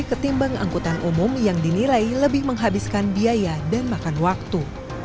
ketimbang angkutan umum yang dinilai lebih menghabiskan biaya dan makan waktu